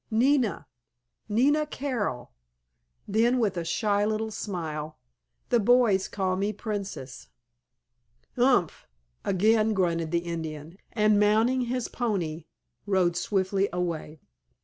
"Nina—Nina Carroll." Then with a shy little smile, "The boys call me 'Princess.'" "Umph!" again grunted the Indian, and mounting his pony rode swiftly away.